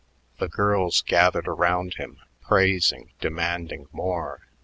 The girls gathered around him, praising, demanding more.